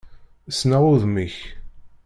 Ssneɣ udem-ik.